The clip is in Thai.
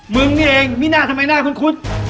มึงนี่เองมีหน้าทำไมหน้าคุ้นคุ้น